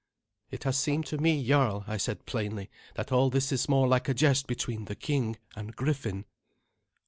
"It has seemed to me, jarl," I said plainly, "that all this is more like a jest between the king and Griffin."